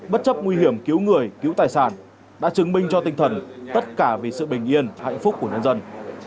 bất chấp nguy hiểm cứu người cứu tài sản đã chứng minh cho tinh thần tất cả vì sự bình yên hạnh phúc của nhân dân